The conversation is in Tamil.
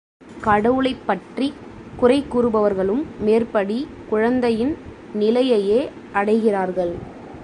கடவுளைப்பற்றிக் குறைகூறுபவர்களும் மேற்படி குழந்தையின் நிலையையே அடைகிறார்கள்.